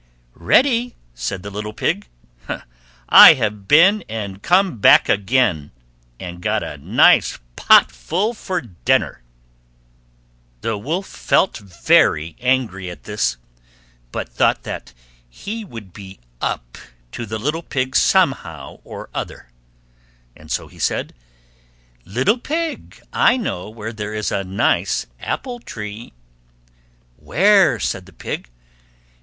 "Ready!" said the little Pig, "I have been and come back again, and got a nice pot full for dinner." The Wolf felt very angry at this, but thought that he would be up to the little Pig somehow or other; so he said, "Little Pig, I know where there is a nice apple tree." "Where?" said the Pig.